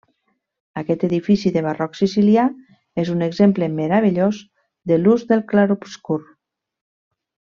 Aquest edifici del barroc sicilià és un exemple meravellós de l'ús del clarobscur.